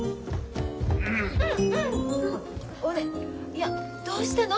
いやどうしたの？